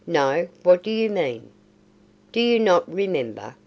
No! What do you mean?" "Do you not remember?"